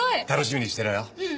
楽しみにしてろよ。